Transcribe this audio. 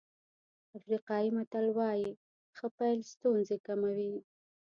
افریقایي متل وایي ښه پيل ستونزې کموي.